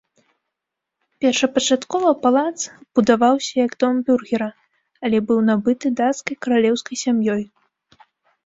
Першапачаткова палац будаваўся як дом бюргера, але быў набыты дацкай каралеўскай сям'ёй.